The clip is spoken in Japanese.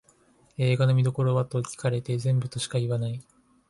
映画の見どころはと聞かれて全部としか言わない